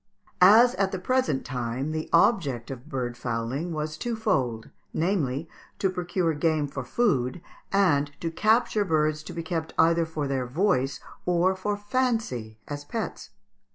] As at the present time, the object of bird fowling was twofold, namely, to procure game for food and to capture birds to be kept either for their voice or for fancy as pets.